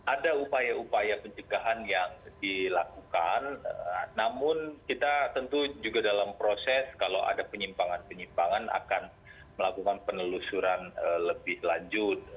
ada upaya upaya pencegahan yang dilakukan namun kita tentu juga dalam proses kalau ada penyimpangan penyimpangan akan melakukan penelusuran lebih lanjut